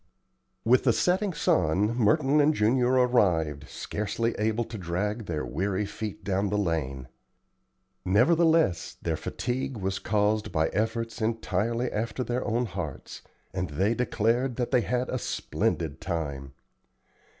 With the setting sun Merton and Junior arrived, scarcely able to drag their weary feet down the lane. Nevertheless their fatigue was caused by efforts entirely after their own hearts, and they declared that they had had a "splendid time."